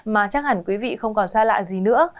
mà chắc hẳn quý vị không còn xa lạ gì nữa